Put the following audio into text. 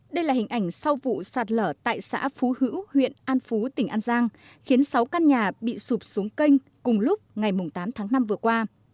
đây là hình ảnh sau vụ sạt lở tại xã phú hữu huyện an phú tỉnh an giang khiến sáu căn nhà bị sụp xuống kênh cùng lúc ngày tám tháng năm vừa qua